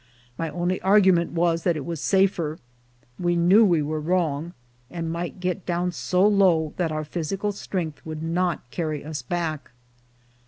My only argument was that it was safer ; we knew we were wrong, and might get down so low that our physical strength would not carry us back.